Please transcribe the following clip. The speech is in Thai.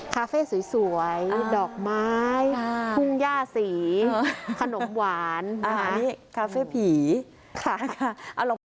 คาเฟ่สวยสวยดอกไม้ฮุ่งย่าสีขนมหวานอ่าอันนี้คาเฟ่ผีค่ะค่ะ